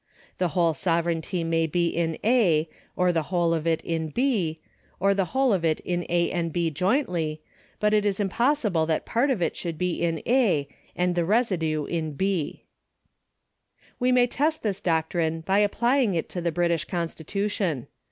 The whole sovereignty may be in A., or the whole of it in B., or the whole of it in A. and B. jointly, but it is impossible that pai't of it should be in A. and the residue in B. We may test this doctrine by applying it to the British constitution.